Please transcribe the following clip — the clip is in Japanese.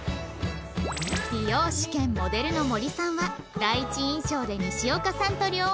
美容師兼モデルの森さんは第一印象で西岡さんと両思い